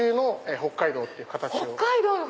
北海道の冬！